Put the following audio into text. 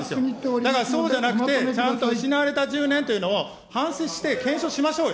だからそうじゃなくて、ちゃんと失われた１０年というのを反省して、検証しましょうよ。